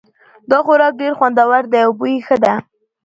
دا خوراک ډېر خوندور ده او بوی یې ښه ده